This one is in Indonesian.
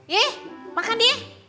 yeh makan ya